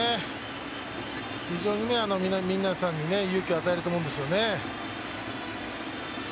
非常に皆さんに勇気を与えると思うんですよね。